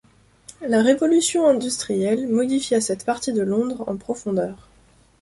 La Révolution industrielle modifia cette partie de Londres en profondeur.